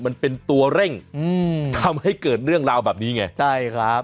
มันเป็นตัวเร่งอืมทำให้เกิดเรื่องราวแบบนี้ไงใช่ครับ